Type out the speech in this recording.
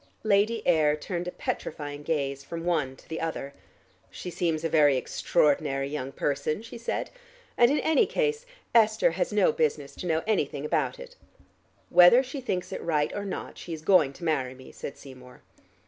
Lady Ayr turned a petrifying gaze from one to the other. "She seems a very extraordinary young person," she said. "And in any case Esther has no business to know anything about it." "Whether she thinks it right or not, she is going to marry me," said Seymour.